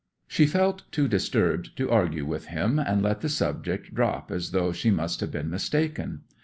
She felt too disturbed to argue with him, and let the subject drop as though she must have been mistaken.